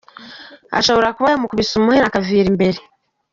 Ashobora kuba yamukubise umuhini akavira imbere.